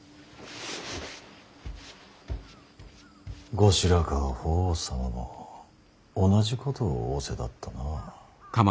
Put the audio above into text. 後白河法皇様も同じことを仰せだったな。